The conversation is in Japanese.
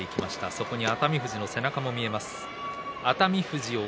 そこに熱海富士の背中も見えます。